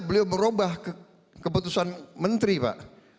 beliau merubah keputusan menteri pak